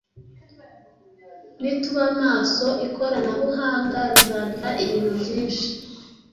Nituba maso ikoranabuhanga rizadufasha ibintu byinshi.